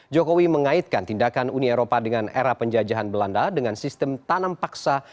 jokowi mengaitkan tindakan uni eropa dengan era penjajahan belanda dengan sistem tanam paksa